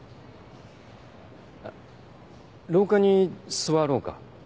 あっ廊下にすわろうか。